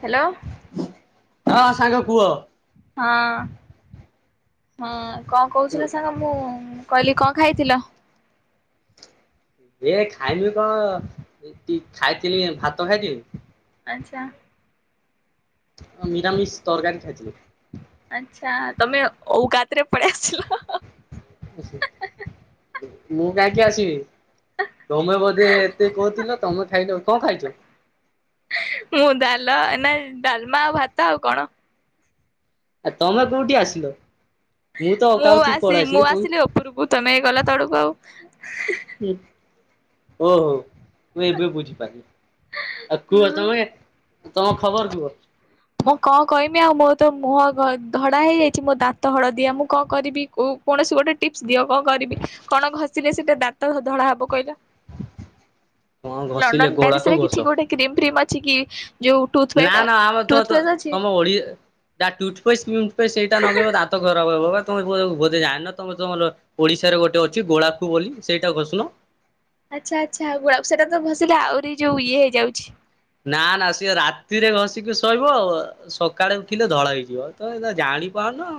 Hello. ହଁ ସାଙ୍ଗ କୁହ। ହଁ ହଁ। କଣ କୋହୁଥିଲ ସାଙ୍ଗ ମୁଁ କହିଲି କଣ ଖାଇଥିଲ? ଏ ଖାଇମି କଣ ଏତି ଖାଇଥିଲି ଭାତ ଖାଇଥିଲି ଆଚ୍ଛା। ମିରାମିଷ ତରକାରୀ ଖାଇଥିଲି। ଆଚ୍ଛା ତମେ ଓଉ କାତରେ ପଳେଇ ଆସିଲ। ମୁଁ କାହିଁକି ଆସିବି। ତମେ ବୋଧେ ଏତେ କହୁଥିଲ ତମେ ଖାଇଲ କଣ ଖାଇଚୁ? ମୁଁ ଡାଲ ନା ଡାଲମା ଆଉ ଭାତ ଆଉ କଣ। ଆଉଁ ତମେ କୋଉଠି ଆସିଲ? ତ ମୁଁ ଅକାଉଥି ଆସି ପଳେଇ ମୁଁ ତମେ ଆସିଲି ଉପରକୁ ତମେ ଗଲା ତଳକୁ ଆଉ। ଓ ହୋ ତୁ ଏବେ ବୁଝିପାରିଲି। ଆଉ କୁହ ଆଁ ତମେ ତମ ଖବର କୁହ। ମୁଁ କଣ କହମି ଆଉ ମୋ ତ ମୁହଁ ଧ ଧଳା ହେଇଯାଇଚି ମୋ ଦାନ୍ତ ହଳଦିଆ ମୁଁ କଣ କରିବି କୋ କୌଣସି ଗୋଟେ ଟିପସ୍ ଦିଅ କଣ କରିବି କଁ କଣ ଘଷିଲେ ସେ ଟିକେ ଦାନ୍ତ ଧଳା ହବ କହିଲ? କଣ ଘଷିଲେ ଲଣ୍ଡନ ଗୋଡାକୁ ପ୍ୟାରିସ ରେ ଘଷ। କିଛି ଗୋଟେ କ୍ରିମି ଫ୍ରିମ ଅଛି କି? ଯୋଉ ନା ଟୁଥପେଷ୍ଟ ନା ଆମେ ତ ତ ଟୁଥପେଷ୍ଟ ଅଛି? ତମ ଓଡି ନା ଟୁଥ ପେଷ୍ଟ ପେଷ୍ଟ ସେଇଟା ନଗେଇବ ଦାନ୍ତ ଖରାବ ହବ ପା। ତମେ ବୋ ବୋଧେ ଯାନିଣ ତମେ ତମର ଓଡିଶାରେ ଗୋଟେ ଅଛି ଗୁଡାଖୁ ବୋଲି ସେଇଟା ଘଶୁନ। ଆଚ୍ଛା ଆଚ୍ଛା ଗୁଡାଖୁ ସେଟା ତ ଘସିଲେ ଆହୁରି ଯୋଉ ଇଏ ହେଇଯାଉଚି। ନା ନା ସିଏ ରାତିରେ ଘଷିକି ଶୋଇିବ ଆଉ ସକାଳେ ଉଠିଲେ ଧଳା ହେଇଯିବ ତ ଏ ଜାଣିପ ଅନୁ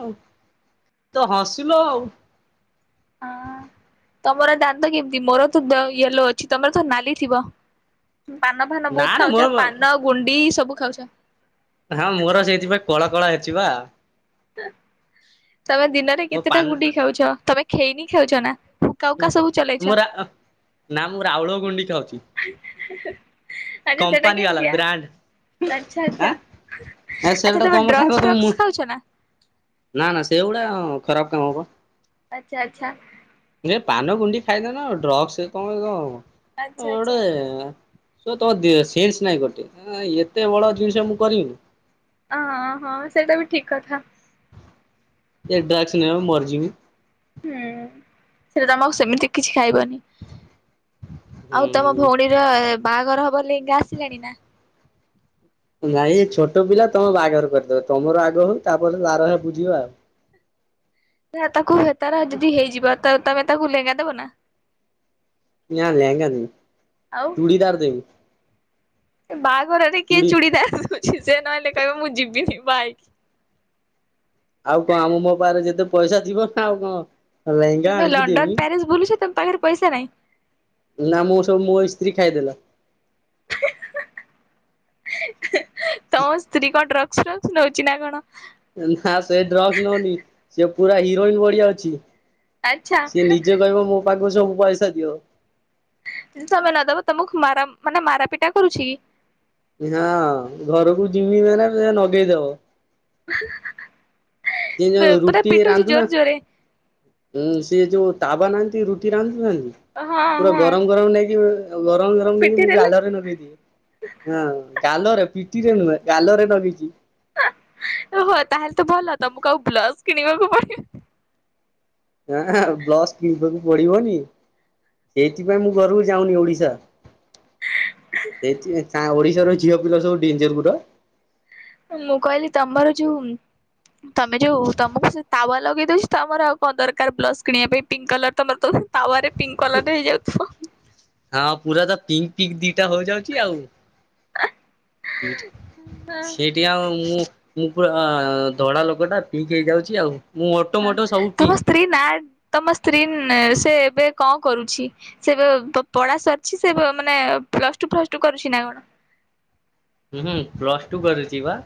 ତୁ ହସିଲୁ ଆଉ। ତମର ଦାନ୍ତ କେମିତି ମୋର ତ ଦ ୟେଲୋ ଅଛି ତମର ତ ନାଲି ଥିବ। ପାନ ଫାନ ନା ବହୁତ ନା ମୋର ଖାଉଚ ପାନ ଗୁଣ୍ଡି ସବୁ ଖାଉଚ। ହଁ ମୋର ସେଇଥିପାଇଁ କଳ କଳା ଅଛି ବା। ତମେ ଦିନରେ ମୋ କେତେଟା ପାନ ଗୁଣ୍ଡି ଖାଉଛ ତମେ ଖେଇନି ଖାଉଛ ନା? ହୁକା ହୁଁ ହୁକା ସବୁ ଚଲେଇଛ ମୁଁ ରା ନା ମୁଁ ରାଉଳ ଗୁଣ୍ଡି ଖାଉ ଆଛା ସେଟା କମ୍ପାନୀ ବାଲା କେମିତିଆ? ବ୍ରାଣ୍ଡ ଆଛା ଆଁ ଆଛା ସେଟା ଆଚ୍ଛା ତମେ ଖାଇବ ଡ୍ରଗ୍ସ ତମ ମୁ ଫରକ୍ସ ଖାଉଚ ନା? ନା ନା ସେଗୁଡା ଖରାପ କାମ ପା। ଆଛା ଆଚ୍ଛା। ଏ ପାନ ଗୁଣ୍ଡି ଖାଇଦେ ନା ଡ୍ରଗ୍ସ କଣ କଣ ତମେ ଆଚ୍ଛା ଆଚ୍ଛା ଗୋଟେ ସ ତମ ସେନ୍ସ ନାଇଁ ଗୋଟେ ଅଁ ଏତେ ବଡ ଜିନିଷ ମୁଁ କରିବିକି। ଅଁ ହଁ ସେଇଟା ବି ଠିକ କଥା। ଏ ଡ୍ରଗ୍ସ ନେଲେ ମୁଁ ମାରଜିମି। ହୁଁ ସେଟା ତମକୁ ସେମିତି କିଛି ଖାଇବନି। ଆଉ ତମ ହୁଁ ଭଉଣୀର ଏ ବାହାଘର ହବା ଲେଗା ଆସିଲାଣି ନା? ନାଇଁ ଛୋଟ ପିଲା ତମେ ବାହାଘର କରିଦବ ତମର ଆଗ ହଉ ତାପରେ ତାର ବୁଝିବା ଆଉ। ନା ତାକୁ ହେ ତାର ଯଦି ହେଇଯିବ ତ ତମେ ତାକୁ ଲେହଙ୍ଗା ଦବ ନା? ନାଁ ଲେହେଙ୍ଗା ନୁହୁ ଆଉ ଚୁଡ଼ିଦାର ଦେବି। ବାହାଘରରେ କିଏ ଚୁଡ଼ି ଚୁଡ଼ିଦାର ହୁଁ। ସେ ନହେଲେ କହିବ ମୁଁ ଯିବିନି ବାଇକି ଆଉ କଣ ଆମ ମୋ ପାହାରେ ଯେତେ ପଇସା ଥିବ ନା ଆଉ କଣ? ଲେହେଙ୍ଗା ତମେ ଆଣିକି ଲଣ୍ଡନ ଦେବି ପ୍ୟାରିସ ବୁଲୁଛ ତମ ପାଖରେ ପଇସା ନାଇଁ? ନା ମୁଁ ସବୁ ମୋ ଇସ୍ତ୍ରୀ ଖାଇଦେଲା। ତମ ସ୍ତ୍ରୀ କଣ ଡ୍ରଗସ ଫ୍ରଗସ ନଉଛି ନା କଣ? ନା ସେ ଡ୍ରଗସ ନଉନି ସେ ପୁରା ହିରୋଇନ ବଢିଆ ଅଛି। ଆଚ୍ଛା ହା ପାକୁ ସବୁ ପାଇସା ଦିଅ। ତମେ ନଦବ ତମକୁ ମାରା ମାନେ ମାରାପିଟା କରୁଛି କି? ହଁ ଘରକୁ ଯିମି ମାନେ ସେ ନଗେଇଦବ। ହ [unintelligible] ସିଏ ଯୋଉ ରୁଟି ରାନ୍ଧୁ ନାଁ ଉଁ ସିଏ ଯୋଉ ତାବା ନାହାନ୍ତି ରୁଟି ରାନ୍ଧୁ ନାହାନ୍ତି ହଁ ପୁରା ହଁ ଗରମ ଗରମ ନେଇକି ଆଉ ଗରମ ଗରମ ନେଇକି ପିଟି ମୁଁ ଦେଲେ ଗାଲରେ ନଗେଇଦିଏ ହଁ ଗାଲରେ ପିଠିରେ ନୁହେଁ ଗାଲରେ ନଗିଚି। ହଉ ତାହେଲେ ତୁ ଭଲତ ମୁଁ କଉ ବ୍ଲସ କିଣିବାକୁ ପଡି ହଁ ବ୍ଲସ କିଣିବାକୁ ପଡିବନି? ସେଥିପାଇଁ ମୁଁ ଘରକୁ ଯାଉନି ଓଡ଼ିଶା। ସେଇଥିରେ ଓଡିଶାର ଝିଅ ପିଲା ସବୁ ଡେଞ୍ଜରପୁରା ମୁଁ କହିଲି ତମର ଯୋଉ ତମେ ଯୋଉ ତମକୁ ସେ ତାୱ ଲଗେଇ ଉଛି ତମର ଆଉ କଣ ଦରକାର ବ୍ଲଶ୍ କିଣିବା ପାଇଁ ପିଙ୍କ୍ କଲର ତମର ତାୱାରରେ ହଁ ପୁରା ତ ପିଙ୍କ୍ ପିଙ୍କ୍ ଦିଟା ହଉଯାଉଚି ଆଉ। [unintelligible] ହିଟ୍ ହଁ ସେ ଟିକେ ଆଉ ମୁ ମୁଁ ପୁରା ଦଳା ଲୋକଟା ଚୁପ୍ ହେଇଯାଉଚି ଆଉ ମୁଁ ମୋଟ ହଁ ମୋଟ ସବୁ ତମ ପିଙ୍କ୍। ସ୍ତ୍ରୀ ନା ତମ ସ୍ତ୍ରୀ ନେ ସେ ଏବେ କଣ କରୁଛି ସେ ବେ ପଢା ସରିଛି ସେ ମାନେ ପ୍ଲସ ଟୁ ଫ୍ଲସ ଟୁ କରୁଛି ନା କଣ? [unintelligible] ହୁଁ ହୁଁ ପ୍ଲସ ଟୁ କରିୁଚି ବା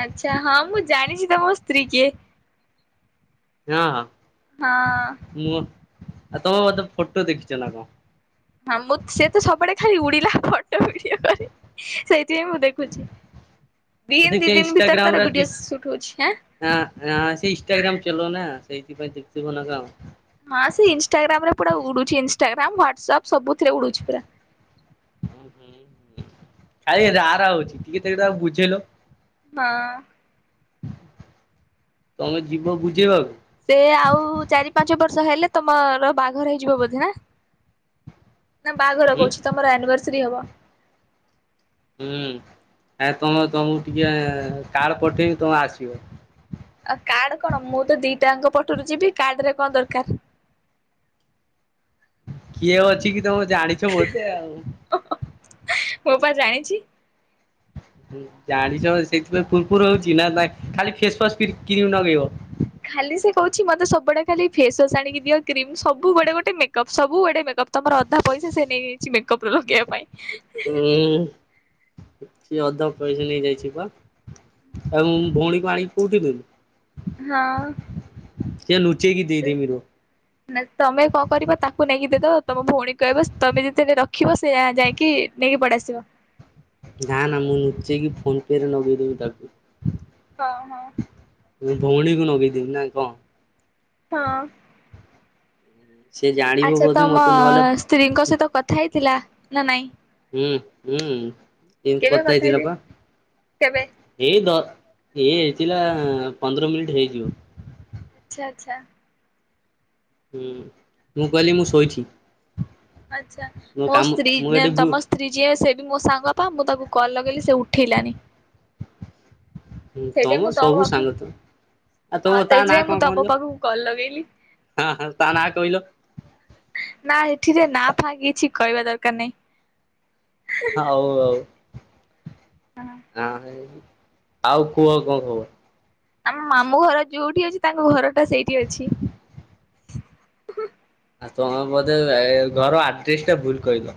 ଆଛା ହଁ ମୁଁ ଜାଣିଚି ତମ ସ୍ତ୍ରୀ କିଏ। ହଁ ହଁ। ମୁଁ ଆ ତମେ ବୋଧେ ଫଟୋ ଦେଖିଛ ନା କଣ? ହଁ ମୁଁ ସେ ତ ସବୁଆଡ଼େ ଖାଲି ଉଡ଼ିଲା ଫଟ ଭିଡ଼ିଓ କରି ସେଇ ମୁଁ ଦେଖୁଚି ସେ ଦିନ୍ ଦି ଦିନି ଭିତରେ ତାର ଭିଡିଓ ସୁଟ୍ ହଉଛି ଆଁ। ହ ଅ ସେ ଇନଷ୍ଟାଗ୍ରାମ ଚଲୁଅନା ସେଇଥିପାଇଁ ଦେଖଥିବ ନା କଣ? ହଁ ସେ ଇନଷ୍ଟାଗ୍ରାମ ରେ ପୁରା ଉଡ଼ୁଛି ଇନଷ୍ଟାଗ୍ରାମ ହ୍ୱାଟସପ୍ ସବୁଥିରେ ଉଡ଼ୁଛି ପୁରା। ଖାଲି ରାରା ହଉଛି ଟିକେ ତାକୁ ବୁଝେଇଲ। ହଁ। ତମେ ଯିବ ବୁଝେଇବାକୁ। ସେ ଆଉ ଚାରି ପାଞ୍ଚ ବର୍ଷ ହେଲେ ତମର ବାହାଘର ହେଇଯିବ ବୋଧେ ଆଁ। ନା ବାହାଘର ହୁଁ କହୁଛିି ତମର ଏନିବର୍ସରି ହବା। ହୁଁ ଆ ତମେ ତମକୁ ଟିକେ କାର୍ଡ ପଠେଇବି ତମେ ଆସିବ। ଆଉ କାର୍ଡ କଣ ମୁଁ ତ ଦିଟା ଅଙ୍କ ପଟରୁ ଯିବି କାର୍ଡ ରେ କଣ ଦରକାର। [inaudible] କିଏ ଅଛି କି ତମେ ଜାଣିଛ ବୋଧେ ଆଉ। ମୁଁ ପା ଜାଣିଛି। ଜାଣିଚ ସେଇଥିପାଇଁ ପୁରପୁର ହଉଚି ନା ନା ଖାଲି ଫେସୱାସ୍ କିିର କ୍ରିମ ନଗେଇବ। ଖାଲି ସେ କହୁଛି ମତେ ସବୁଆଡେ ଖାଲି ଫେସୱାସ ଆଣିକି ଦିଅ କ୍ରିମ୍ ସବୁବେଳେ ଗୋଟେ ମେକଅପ୍ ସବୁବେଳେ ମେକଅପ୍। ତମର ଅଧା ପଇସା ସେ ନେଇଯାଇଚି ମେକ ଅପ ଲଗେଇବା ପାଇଁ। ହୁଁ ସିଏ ଅଧା ପଇସା ନେଇଯାଇଚି ପା। ଆଉ ଭଉଣୀକୁ ଆଣିକି କେଉଁଠି ଦେଲୁ। ହଁ। ଲୁଚେଇକି ଦେଇଦେମି ରୁହ। ତମେ କଣ କରିବ ତାକୁ ନେଇକି ଦେ ତ ତମ ଭଉଣୀ କହିବ ତମେ ଯେତେଦିନି ରଖିବ ସେ ଯାଇକି ନେଇକି ପଳେଇଆସିବ। ନା ନା ମୁଁ ନୁଚେଇକି ଫୋନପେରେ ନଗେଇଦେବି ତାକୁ। ହଁ ହଁ। ମୁଁ ଭଉଣୀକୁ ନଗେଇଦେବି ନା କଣ? ହଁ। ସେ ଜାଣିବ ଆଚ୍ଛା ବୋଧେ ତମ ମତେ ନହେଲେ ସ୍ତ୍ରୀଙ୍କ ସହିତ କଥା ହେଇଥିଲା ନା ନାଇଁ? ହୁଁ ହୁଁ ଏଇନ୍ କେବେ କଥା କତାହେଇଥିଲା ହେଇଚି ପା। କେବେ? ଏଇ ଦ ଏଇ ହେଇଥିଲା ପନ୍ଦର ମିନିଟ ହେଇଯିବ। ଆଚ୍ଛା ଆଚ୍ଛା। ହୁଁ ମୁଁ କହିଲି ମୁଁ ଶୋଇଛି। ଆଚ୍ଛା ମୋ କାମ ସ୍ତ୍ରୀ ମୁଁ ଏଠି ବୁ ତମ ସ୍ତ୍ରୀ ଯିଏ ସେ ବି ମୋ ସାଙ୍ଗ ପା ମୁଁ ତାକୁ କଲ୍ ଲଗେଇଲି ସେ ଉଠେଇଲାନି। ତମ ସେଇଥିପାଇଁ ମୁ ତଣ ସବୁ ପାଖକୁ ସାଙ୍ଗ ତମେ। ଆଉ ତମ ହଁ ତା ନାଁ ସେଇଥିପାଇଁ କଣ ମୁଁ କହିଲ ତମ ପାଖକୁ କଲ ଲଗେଇଲି। ହଁ ହଁ ତା ନାଁ କହିଲ ନା ଏଠିରେ ନା ଫା କିଛି କହିବା ଦରକାର ନାଇଁ। ହଉ ହଉ। ଆ ଆଉ କୁହ କଣ ଖବର। ଆମ ମାମୁଁ ଘର ଯୋଉଠି ଅଛି ତାଙ୍କ ଘର ଟା ସେଇଠି ଅଛି। ଆଉ ତମେ ବୋଧେ ଘର ଆଡ୍ରେସ ଟା ଭୁଲ କହିଲ?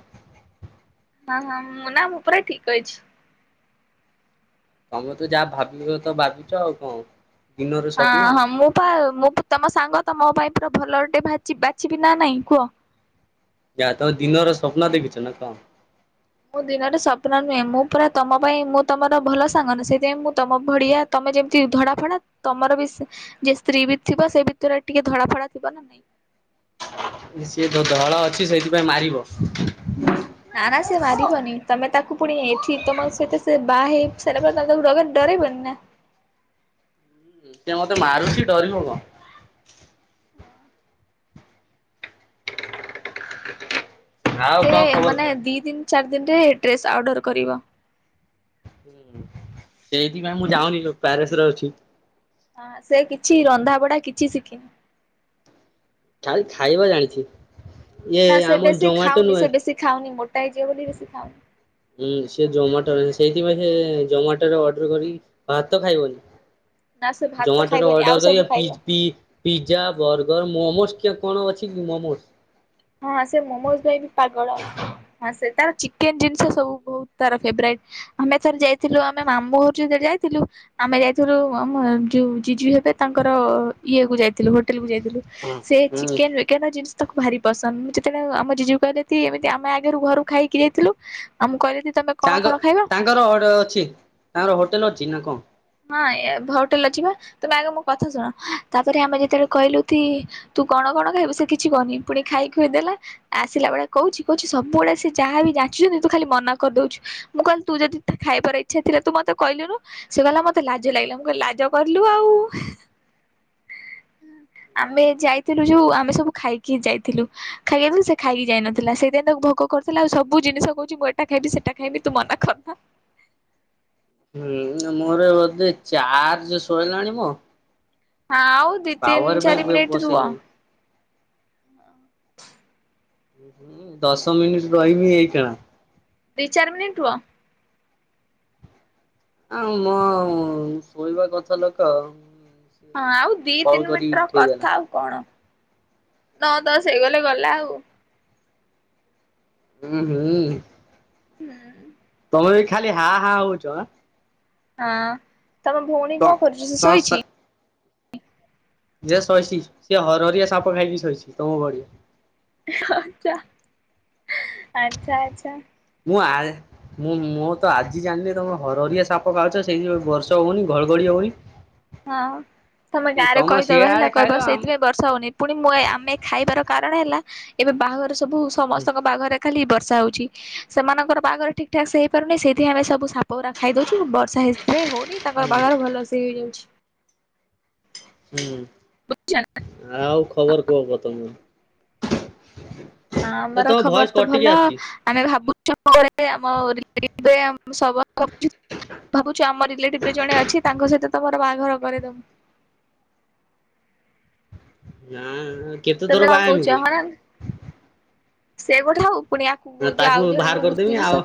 ହଁ ହଁ ମୁଁ ନା ମୁଁ ପୁରା ଠିକ କହିଚି। ତମେ ତ ଯାହା ଭାବିବ ତ ଭାବିଛ ଆଉ କଣ। ଦିନର ସ୍ୱପ୍ନ ହଁ ହଁ ମୁଁ ପା ମୁଁ ପା ତମ ସାଙ୍ଗ ତମେ ମୋ ପାଇଁ ପୁରା ଭଲଟେ ଭାଚି ବାଛିିବି ନା ନାଇଁ କୁଅ? ଯା ତ ଦିନର ସ୍ୱପ୍ନ ଦେଖୁଛ ନା କଣ? ମୁଁ ଦିନରେ ସ୍ୱପ୍ନ ନୁହେଁ ମୁଁ ପୁରା ତମ ପାଇଁ ମୁଁ ତମର ଭଲ ସାଙ୍ଗ ନା ସେଥିପାଇଁ ମୁଁ ତମ ବଢିଆ ତ ତମେ ଯେମିତି ଧଡ଼ା ଫଡ଼ା ତମର ବି ଯିଏ ସ୍ତ୍ରୀ ବି ଥିବ ସେ ଭିତରେ ଟିକେ ଧଡ଼ା ଫଡ଼ା ଥିବ ନା ନାଇଁ। ସିଏ ଯୋଉ ଧଳ ଅଛି ସେଇଥିପାଇଁ ମାରିବ। ନା ନା ସିଏ ମାରିବନି ତମେ ତାକୁ ପୁଣି ଏଠି ତମ ସହିତ ସେ ବାହା ହେଇ ସାରିଲା ପରେ ତାକୁ ତମେ ଡବନି ଡରେଇବନି ନା? ସେ ମତେ ମାରୁଛି ଡରିବ କଣ? ଆଉ ସେ କଣ ଖବର ମାନେ କହ? ଦି ଦିନ ଚାରି ଦିନରେ ଡ୍ରେସ୍ ଅର୍ଡର କରିବ। ହଁ ସେଇଥିପାଇଁ ମୁଁ ଯାଉନି ପ୍ୟାରିସ ରେ ଅଛି। ହ ସେ କିଛି ରନ୍ଧାପଢା କିଛି ଶିଖିନି। ଖାଲି ଖାଇବା ଜାଣିଛି ଇଏ ନା ସେ ଆମ ବେଶୀ ଜମାଟୋ ଖାଉନି ସେ ନୁହେଁ ବେଶୀ ଖାଉନି ମୋଟା ହେଇଯିବ ବୋଲି ବେଶୀ ଖାଉନି। ହୁଁ ସେ ଯୋମାଟୋ ରେ ସେଇଥିପାଇଁ ସେ ଯୋମାଟୋରେ ଅର୍ଡର କରି ଭାତ ଖାଇବନି ନା ସେ ଭାତ ଜମାଟୋ ରେ ଖାଇବନି ଆଉ ଅର୍ଡର କରିବ ସବୁ ପି ଖାଇବ ପି ପିଜ୍ଜା ବର୍ଗର ମୋମୋସ ଟିକିଏ କଣ ଅଛି କି ମୋମୋସ୍ ହଁ ସେ ମୋମୋଜ ପାଇଁ ବି ପାଗଳ। ହଁ ସେ ତାର ଚିକେନ ଜିନିଷ ସବୁ ବହୁତ ତାର ଫେବରାଇଟ୍ ଆମେ ଥରେ ଯାଇଥିଲୁ ଆମେ ମାମୁଁ ଘରକୁ ଯାଇ ଯାଇଥିଲୁ ଆମେ ଯାଇଥିଲୁ ଆମ ଯୋଉ ଜିଜୁ ହେବେ ତାଙ୍କର ଇଏ କୁ ଯାଇଥିଲୁ ହୋଟେ ହୋଟେଲକୁ ଯାଇଥିଲୁ ହଁ ସେ ହୁଁ ଚିକେନ୍ ବିକେନ ଜିନିଷ ତାକୁ ଭାରି ପସନ୍ଦ ମୁଁ ଯେତେବେଳେ ଆମ ଜିଜୁ କହିଲେ ତି ଏମିତି ଆମେ ଆଗରୁ ଘରୁ ଖାଇକି ଯାଇଥିଲୁ ଆମକୁ କହିଲେ ତି ତମେ କଣ ତାଙ୍କ କଣ ଖାଇବ ତାଙ୍କର ଅଡ ଅଛି ତାଙ୍କର ହୋଟେଲ ଅଛି ନା କଣ? ହଁ ଏ ବ ହୋଟେଲ ଅଛିି ପା ତମେ ଆଗେ ମୋ କଥା ଶୁଣ ତାପରେ ଆମେ ଯେତେବେଳେ କହିଲୁ କି ତୁ କଣ କଣ ଖାଇବୁ ସେ କିଛି ବନେଇ ପୁଣି ଖାଇ ଖୁଇ ଦେଲେ ଆସିଲା ବେଳେ କହୁଚି କହୁଚି ସବୁବେଳେ ସେ ଯା ଯାହାବି ଯାଚୁଚନ୍ତି ତୁ ଖାଲି ମନା କରିଦଉଚୁ ମୁଁ କହିଲି ତୁ ଯଦି ତା ଖାଇବାର ଇଚ୍ଛା ଥିଲା ତୁ ମୋତେ କହିଲୁନୁ ସେ କହିଲା ମ ମତେ ଲାଜ ଲାଗିଲା ମୁଁ କହିଲି ଲାଜ କରିଲୁ ଆଉ। ଆମେ ଯାଇଥିଲୁ ଯୋଉ ଆମେ ସବୁ ଖାଇକି ଯାଇଥିଲୁ ଖାଇବାକୁ ସେ ଖାଇକି ଯାଇନଥିଲା ସେଥି ପାଇଁ ତାକୁ ଭୋ ଭୋଗ କରୁଥିଲା ଆଉ ସବୁ ଜିନିଷ କହୁଚି ମୁଁ ଏଟା ଖାଇବି ସେଟା ଖାଇବି ତୁ ମନା କରନା। ହୁଁ ମୋର ବୋଧେ ଚାର୍ଜ ସଇଲାଣି ମ ହଁ ଆଉ ଦି ତିନି ଚାରି ମିନିଟ୍ ରୁହ। ବସେଇଲିଣି। ଦଶ ମିନିଟ୍ ରହିବି ଏଇଖିଣା। ଦି ଚାରି ମିନିଟ୍ ରୁହ। ଆଁ ମୋ ଶୋଇବା କଥା ଲୋକ ହଁ ଆଉ ଦି କଲ୍ ତିନି କରିକି ମିନିଟ୍ ର ଉଠେଇଦେଲା। କଥା ଆଉ କଣ। ନଅ ଦଶ ହେଇଗଲେ ଗଲା ଆଉ। ହୁଁ ହୁଁ। ହୁଁ। ତମେ ବି ଖାଲି ହା ହା ହଉଚ ଆଁ। ହଁ ତମ ଭଉଣୀ ତ କଣ କରୁଛି ସେ ଶୋଇଛି। ଯିଏ ଶୋଇଛି ସିଏ ହରହରିଆ ସାପ ଖାଇକି ଶୋଇଛି ତମ ଭଳିଆ। ଆଚ୍ଛା ଆଚ୍ଛା ଆଚ୍ଛା। ହୁଁ ଆ ମୁଁ ମୁଁ ତ ଆଜି ଜାଣିଲି ତମେ ହରରିଆ ସାପ ଖାଉଛ ସେଇଥି ପାଇଁ ବର୍ଷା ହଉନି ଘଡ଼ଘଡ଼ି ହଉନି। ହଁ। ତମେ ଗାଁରେ ତମ କହିଦବ ହେଲା ସିଆଡେ ଖାଇଲ କହିବ ଆମ ସେଇଥିପାଇଁ ବର୍ଷା ହଉନି ପୁଣି ମୁଁ ଏ ଆମେ ଖାଇବାର କାର କଣ ହେଲା ଏବେ ବାହାଘର ସବୁ ସମସ୍ତଙ୍କ ବାହାଘରେ ଖାଲି ବର୍ଷ ର୍ଷା ହେଉଛି ସେମାନଙ୍କ ବାହାଘରେ ଠିକ୍ ଠାକ୍ ସେ ହେଇପାରୁନି ସେଇଥି ପାଇଁ ଆମେ ସବୁ ସାପ ସାପ ଗୁଡ଼ା ଖାଇଦଉଛୁ ବର୍ଷା ସେଇଥି ପାଇଁ ହଉନି ତାଙ୍କର ହୁଁ ବାହାଘର ଭଲ ସେ ହେଇଯାଉଛି। ହୁଁ ଆଉ ଖବର କୁହ କଣ ତମର ହଁ ଏ ଆମର ତମ ଭଏସ ଖବର ତ କଟିକି ଭଲ ଆସୁଛି ଆମେ ଭାବୁଛ ଆମ ଏବେ ଆମ ସମ ଭାବୁଛି ଆମ ରିଲେଟିଭରେ ଜଣେ ଅଛି ତାଙ୍କ ସହିତ ତମର ବାହାଘର କରିଦବା। ହଁ। ତମେ ହଁ କହୁଛ ହଁ ନା ସେ ଗୋଟେ ହଉ ପୁଣି ୟାକୁ ତାକୁ ଆଉ ବାହାର ଜଣଙ୍କୁ କରିଦେମି ବୁଝୁଛି ଆଉ ସ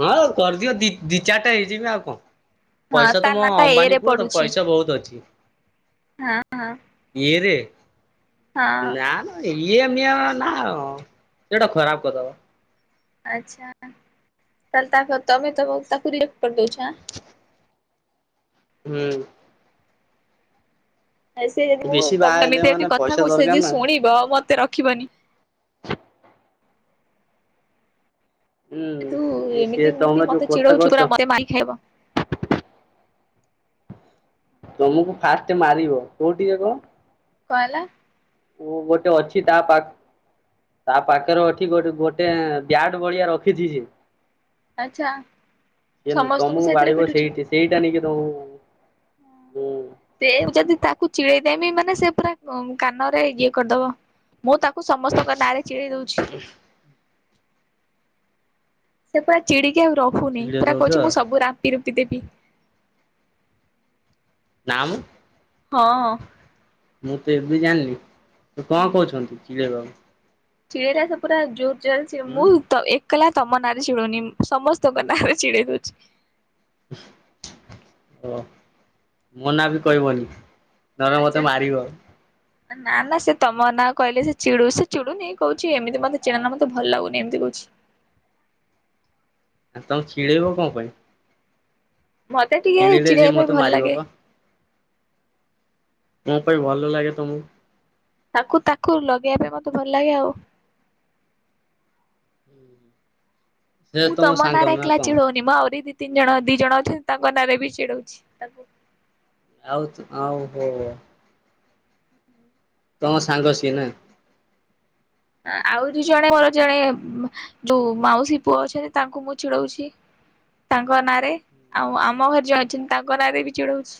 ହଁ କରିଦିଅ ଦି ଦି ଚାରିଟା ହେଇଯିବ ଆଉ କଣ। ପଇସା ତା ତ ମୋ ନା ଟା ଏ ଅମ୍ବାନୀ ରେ ପୁଅ ତ ପଡୁଛି ପଇସା ବହୁତ ଅଛି। ହଁ ହଁ। ଇଏରେ ନା ନା ଇଏମ ନା ସେଟା ଖରାପ କଥା ବା। ଆଚ୍ଛା। ତାହେଲେ ତାକୁ ତମେ ତ ତାକୁ ରେଖ କରି ଦଉଛ ହେଁ ହୁଁ। ସେ ଯଦି ମୁଁ ବେଶୀ ବାହା ତମେ ହେଲେ ଏମିତି ଏମିତି ମାନେ କଥା ପଇସା କହୁଛି ଦରକାର ଯଦି ନା। ଶୁଣିବ ମତେ ରଖିବନି। ତୁ ହୁଁ ସିଏ ଏମିତି ତମେ ଏମିତି ଯୋଉ ମତେ କଥା ଚିଡ଼ଉଛୁ କରୁଛ ପୁରା ମତେ ମାଇ ଖାଇବ। ତମକୁ ଫାଷ୍ଟ ମାରିବ କୋଉଠିକି କହ। କଣ ହେଲା? ଓ ଗୋଟେ ଅଛି ତା ପାଖ ତା ପାଖରେ ଅଛି ଗୋଟେ ଗୋଟେ ବ୍ୟାଟ ଭଳିଆ ରଖିଛି ସେ। ଆଚ୍ଛା ସେଏ ସମସ୍ତଙ୍କୁ ତମକୁ ସେଇଥିରେ ବାଡେଇବ ପିଟୁଛି ସେଇଠି ସେଇଟା ନଇକି ତମକୁ ହୁଁ ଉଁ ସେୟାକୁ ଯଦି ତାକୁ ଚିଡେଇ ନାଇ ନାଇ ମାନେ ସେ ପୁରା ଅ କାନରେ ଇଏ କରିଦବ। ମୁଁ ତାକୁ ସମସ୍ତଙ୍କ ନାଁରେ ଚିଡେଇ ଦଉଛି। ସେ ପୁରା ଚିଡିକି ଆଉ ରହୁନି ଚିଡେଇ ପୁରା ଦଉଛ କହୁଛି ମୁଁ ସବୁ ରାମ୍ପି ରୁମ୍ପି ମ୍ପି ଦେବି? ନାମ। ହଁ ଅ। ମୁଁ ତ ଏବେ ଜାଣିଲି ତ କଣ କହୁଛନ୍ତି ଚିଲ ବାବୁ? ଚିଡ଼େଇବା ଟା ପୁରା ଜୋର ଜାର ଚାଲିଛି ଉଁ ମୁଁ ତ ଏ କହିଲ ତମ ନାଁରେ ଚିଡୁନି ସମସ୍ତଙ୍କ ନାଁରେ ଚିଡେଇ ଦଉଛି। ଓ ମ ନା ବି କହିବନି। ନହେଲେ ଆଚ୍ଛା। ମତେ ମାରିବ? ନା ନା ସେ ତମ ନାଁ କହିଲେ ସେ ଚିଡୁ ସେ ଚିଡୁନି କହୁଛି ଏମିତି ମତେ ଚିଡ଼ାନା ମୋତେ ଭଲ ଲାଗୁନି ଏମିତି କହୁଛି? ଆ ତମେ ଛିଡେଇବ କଣ ପାଇଁ? ମତେ ଟିକେ ଚିଡେଇଲେ ସିଏ ଚିଡେଇବା ପାଇଁ ମତେ ଭଲ ମାରିବ ଲାଗେ। ପା। ମୋ ପାଇଁ ଭଲ ଲାଗେ ତମକୁ? ତାକୁ ତାକୁ ଲଗେଇବା ପାଇଁ ମତେ ଭଲ ଲାଗେ ଆଉ। ସେ ମୁ ତମ ନା ସାଙ୍ଗ ଏକଲା କଣ? ଚିଡ଼ଉନି ମ ଆହୁରି ଦି ତିିନ ଜଣ ଦି ଜଣ ଅଛନ୍ତି ତାଙ୍କ ନାଁରେ ବି ଚିଡଉଛି ତାଙ୍କୁ। ଆଉ ଆଉ ହୋ ତମ ସାଙ୍ଗ ସିଏ ନା? ଆ ଆଉ ଦି ଜଣ ଯ ଜଣେ ମୋର ଜଣେ ଯୋଉ ମାଉସୀ ପୁଅ ଅଛନ୍ତି ତାଙ୍କୁ ମୁଁ ଚିଡଉଛି। ତାଙ୍କ ନାଁରେ ଆଉ ଆମ ଘରେ ଯିଏ ଅଛନ୍ତି ତାଙ୍କ ନାଁରେ ବି ଚିଡଉଛି?